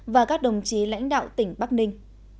và các đồng chí lãnh đạo tỉnh bắc ninh